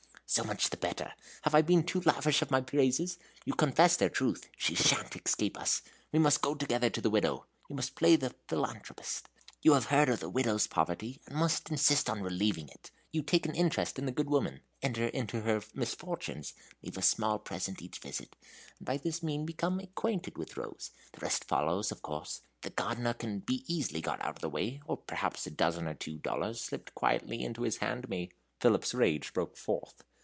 "So much the better. Have I been too lavish of my praises? You confess their truth? She sha'n't escape us. We must go together to the widow; you must play the philanthropist. You have heard of the widow's poverty, and must insist on relieving it. You take an interest in the good woman; enter into her misfortunes; leave a small present at each visit, and by this means become acquainted with Rose. The rest follows, of course. The gardener can be easily got out of the way, or perhaps a dozen or two dollars slipped quietly into his hand may " Philip's rage broke forth.